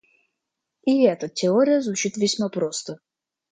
И эта теория звучит весьма просто.